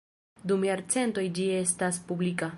Dum jarcentoj ĝi estas publika.